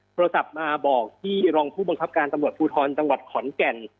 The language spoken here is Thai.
โปรดับมาบอกที่รองผู้บังคับการตำรวจภูทรตขอนแก่น